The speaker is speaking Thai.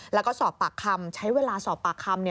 แล้วก็สอบปากคำใช้เวลาสอบปากคำ